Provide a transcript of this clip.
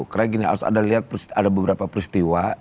karena harus ada beberapa peristiwa